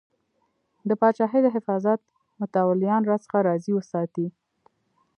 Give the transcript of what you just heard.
د پاچاهۍ د حفاظت متولیان راڅخه راضي وساتې.